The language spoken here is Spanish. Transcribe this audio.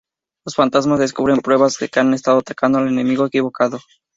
Los fantasmas descubren pruebas de que han estado atacando al enemigo equivocado.